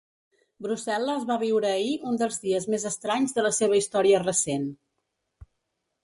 Brussel·les va viure ahir un dels dies més estranys de la seva història recent.